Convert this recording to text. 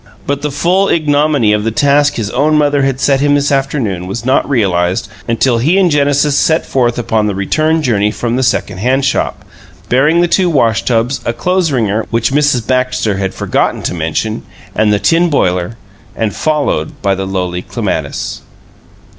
But the full ignominy of the task his own mother had set him this afternoon was not realized until he and Genesis set forth upon the return journey from the second hand shop, bearing the two wash tubs, a clothes wringer (which Mrs. Baxter had forgotten to mention), and the tin boiler and followed by the lowly Clematis.